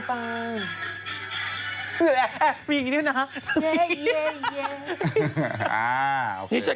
พี่เอเหรอฮะเหรอ